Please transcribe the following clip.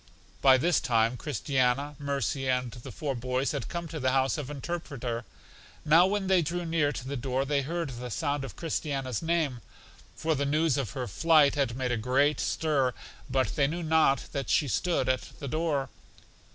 By this time Christiana, Mercy and the four boys had come to the house of Interpreter. Now when they drew near to the door they heard the sound of Christiana's name; for the news of her flight had made a great stir; but they knew not that she stood at the door.